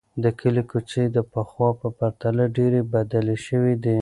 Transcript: د کلي کوڅې د پخوا په پرتله ډېرې بدلې شوې دي.